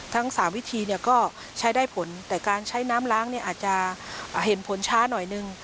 ทั้งสามวิธีก็ใช้ได้ผลแต่การใช้น้ำล้างอาจจะเห็นผลช้าหน่อยหนึ่ง